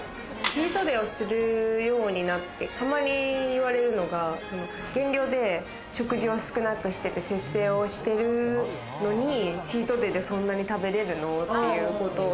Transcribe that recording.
チートデイをするようになって、たまに言われるのが、減量で食事を少なくして、節制をしているのにチートデイで、そんなに食べれるの？っていうことを。